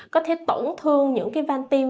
có thể tổn thương những van tim